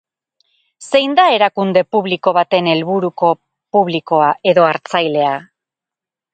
Zein da erakunde publiko baten helburuko publikoa edo hartzailea?